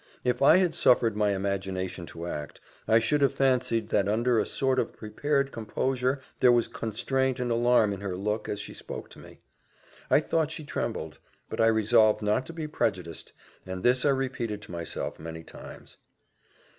If I had suffered my imagination to act, I should have fancied that under a sort of prepared composure there was constraint and alarm in her look as she spoke to me. I thought she trembled; but I resolved not to be prejudiced and this I repeated to myself many times.